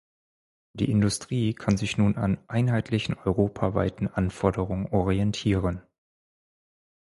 Die Industrie kann sich nun an einheitlichen europaweiten Anforderungen orientieren.